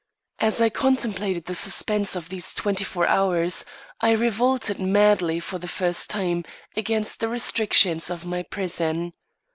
As I contemplated the suspense of these twenty four hours, I revolted madly for the first time against the restrictions of my prison.